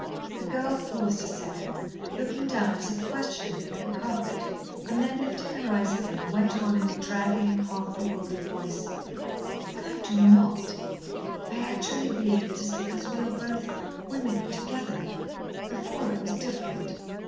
The girl paused a second, looked down, as if questioningly, at the carpet, and then, lifting her eyes again, went on in a dragging, half bewildered voice: "When I do not, I actually believe it is because we are both women together. Before, it was different."